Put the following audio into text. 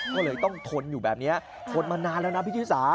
ก็เลยต้องทนอยู่แบบนี้ทนมานานแล้วนะพี่ชิสา